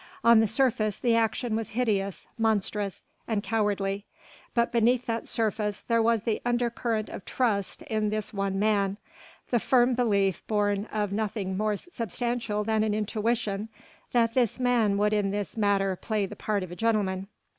On the surface the action was hideous, monstrous, and cowardly, but beneath that surface there was the undercurrent of trust in this one man, the firm belief born of nothing more substantial than an intuition that this man would in this matter play the part of a gentleman.